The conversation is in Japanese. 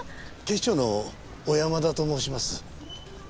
警視庁の小山田と申します。